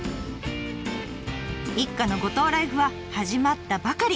一家の五島ライフは始まったばかり。